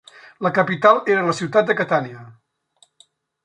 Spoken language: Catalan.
La capital era la ciutat de Catània.